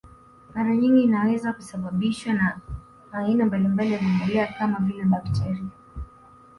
Mara nyingi inaweza kusababishwa na aina mbalimbali ya vimelea kama vile bakteria